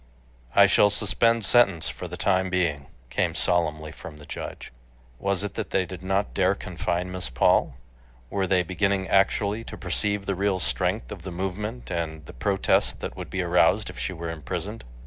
"I shall suspend sentence for the time being," came solemnly from the judge. Was it that they did not dare confine Miss Paul? Were they beginning actually to perceive the real strength of the movement and the protest that would be aroused if she were imprisoned?